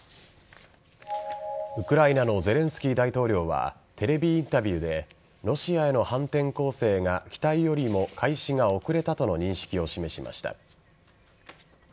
ウクライナのゼレンスキー大統領はテレビインタビューでロシアへの反転攻勢が期待よりも開始が遅れたとの認識を示しました。